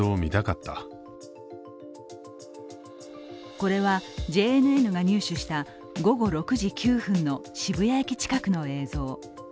これは、ＪＮＮが入手した午後６時９分の渋谷駅近くの映像。